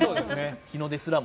日の出すらも。